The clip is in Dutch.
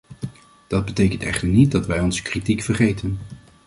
Dat betekent echter niet dat wij onze kritiek vergeten.